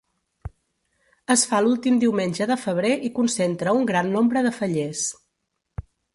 Es fa l'últim diumenge de febrer i concentra un gran nombre de fallers.